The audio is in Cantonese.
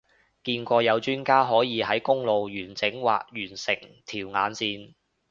見過有專家可以喺公路完整畫完成條眼線